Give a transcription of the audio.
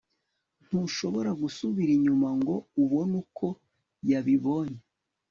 Ntushobora gusubira inyuma ngo ubone uko yabibonye